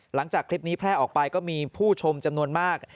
หลังจากคลิปนี้แพร่ออกไปก็มีผู้ชมจำนวนมาก